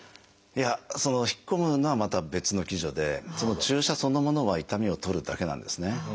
いや引っ込むのはまた別の機序で注射そのものは痛みを取るだけなんですね。